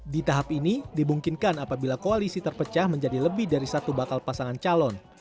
di tahap ini dimungkinkan apabila koalisi terpecah menjadi lebih dari satu bakal pasangan calon